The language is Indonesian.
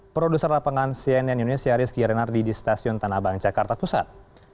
produser lapangan cnn indonesia rizky renardi di stasiun tanah abang jakarta pusat